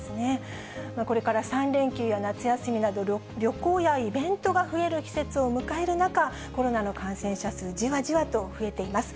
これから３連休や夏休みなど、旅行やイベントが増える季節を迎える中、コロナの感染者数、じわじわと増えています。